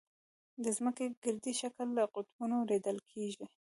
د ځمکې ګردي شکل له قطبونو لیدل کېږي.